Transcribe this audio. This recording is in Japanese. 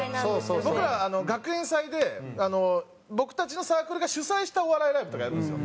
僕ら学園祭で僕たちのサークルが主催したお笑いライブとかやるんですよ。